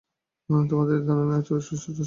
তোমাদের এই ধারণায় একটা ছোট্ট সমস্যা আছে, জানো?